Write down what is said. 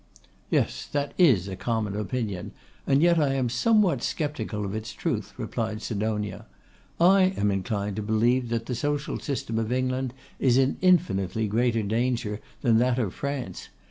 'Yes! that is a common opinion: and yet I am somewhat sceptical of its truth,' replied Sidonia. 'I am inclined to believe that the social system of England is in infinitely greater danger than that of France.